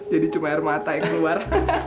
jadi cuma air mata yang keluar